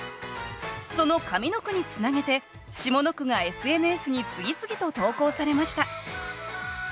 その上の句につなげて下の句がＳＮＳに次々と投稿されました